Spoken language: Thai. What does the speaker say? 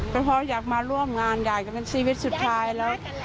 เพราะอยากมาร่วมงานยายกับชีวิตสุดท้ายแล้ว